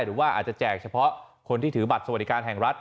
หรือว่าอาจจะแจกเฉพาะคนที่ถือบัตรสวัสดิการแห่งรัฐ